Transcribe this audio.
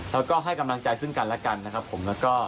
เราก็ให้กำลังใจซึ่งกันและกัน